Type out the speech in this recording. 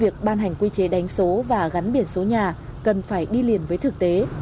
việc ban hành quy chế đánh số và gắn biển số nhà cần phải đi liền với thực tế